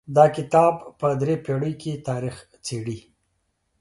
دا کتاب په درې پېړیو کې تاریخ څیړي.